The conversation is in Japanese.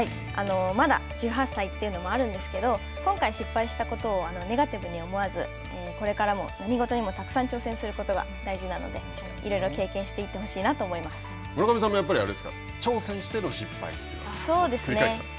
まだ１８歳というのもあるんですけど今回失敗したことをネガティブに思わずこれからも何事にもたくさん挑戦することが大事なのでいろいろ経験していってほしいと村上さんもやっぱりあれですかそうですね。